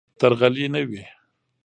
درغلي نه وي.